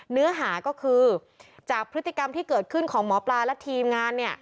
เนื้อหาก็คือจากพฤติกรรมที่เกิดขึ้นของหมอปลาและทีมงานเนี่ย